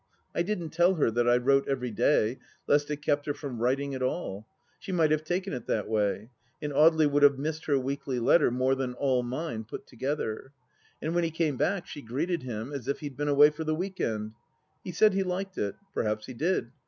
I didn't tell her that I wrote every day, lest it kept her from writing at all ! She might have taken it that way ? And Audely would have missed her weekly letter more than all mine put together ! And when he came back she greeted him as if he'd been away for the week end. He said he liked it. Perhaps he did.